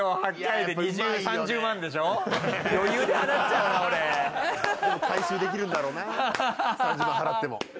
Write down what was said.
でも回収できるんだろうな３０万払っても。